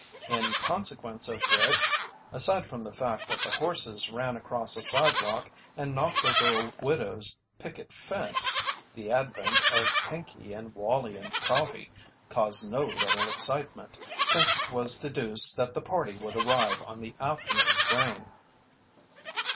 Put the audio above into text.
In consequence of which, aside from the fact that the horses ran across a sidewalk and knocked over a widow's picket fence, the advent of Pinkey and Wallie in Prouty caused no little excitement, since it was deduced that the party would arrive on the afternoon train.